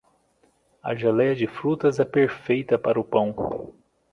A geleia de frutas é perfeita para o pão.